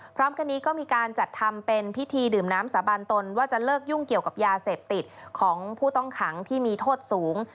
พร้อมกันนี้ก็มีการจัดทำเป็นพิธีดื่มน้ำสาบานตนว่าจะเลิกยุ่งเกี่ยวกับยาเสพติดของผู้ต้องขังที่มีโทษสูง